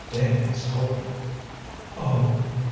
"Dane has told me." "Oh!"